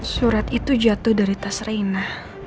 surat itu jatuh dari tas reina